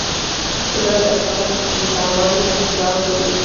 قدرت د اسمان نیلاوالي ته ښکلا ورکوي.